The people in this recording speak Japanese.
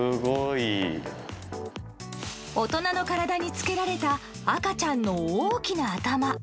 大人の体につけられた赤ちゃんの大きな頭。